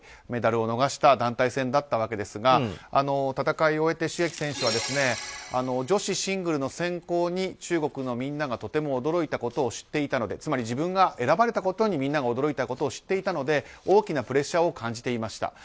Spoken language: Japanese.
メダルを逃した団体戦だったわけですが戦いを終えて、シュ・エキ選手は女子シングルの選考に中国のみんながとても驚いたことを知っていたので。つまり自分が選ばれたことにみんなが驚いていたことを知っていたので大きなプレッシャーを感じていました。